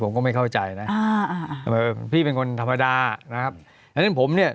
ผมก็ไม่เข้าใจนะอ่าอ่าพี่เป็นคนธรรมดานะครับอันนั้นผมเนี่ย